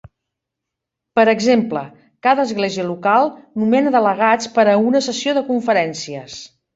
Per exemple, cada església local nomena delegats per a una sessió de conferències.